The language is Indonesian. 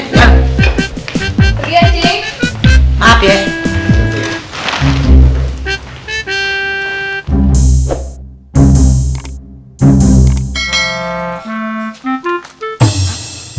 pergi aja cing